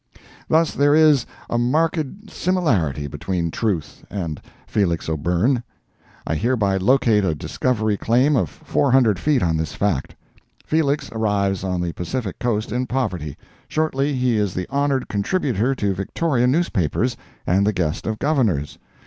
Thus there is a marked similarity between Truth and Felix O'Byrne. I hereby locate a discovery claim of four hundred feet on this fact. Felix arrives on the Pacific coast in poverty; shortly he is the honored contributor to Victoria newspapers and the guest of Governors.